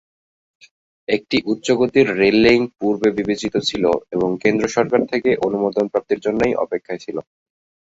একটি উচ্চ গতির রেল লিংক পূর্বে বিবেচিত ছিল এবং কেন্দ্র সরকার থেকে অনুমোদন প্রাপ্তির জন্যই অপেক্ষায় ছিল।